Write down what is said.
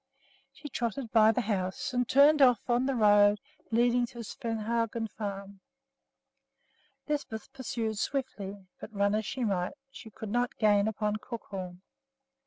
She trotted by the house and turned off on the road leading to Svehaugen Farm. Lisbeth pursued swiftly; but, run as she might, she could not gain upon Crookhorn.